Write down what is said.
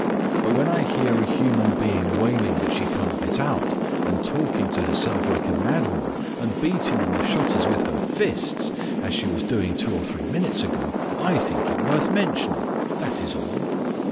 But when I hear a human being wailing that she can't get out, and talking to herself like a mad woman and beating on the shutters with her fists, as she was doing two or three minutes ago, I think it worth mentioning, that is all."